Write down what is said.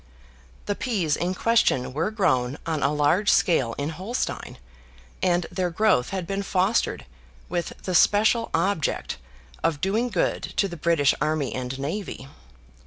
The peas in question were grown on a large scale in Holstein, and their growth had been fostered with the special object of doing good to the British army and navy.